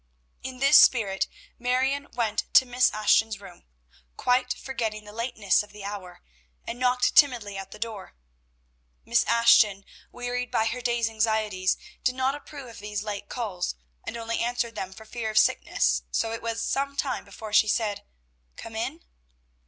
In this spirit Marion went to Miss Ashton's room, quite forgetting the lateness of the hour, and knocked timidly at the door. Miss Ashton, wearied by her day's anxieties, did not approve of these late calls, and only answered them for fear of sickness, so it was some time before she said, "Come in."